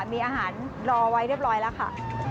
มีอาหารรอไว้เรียบร้อยแล้วค่ะ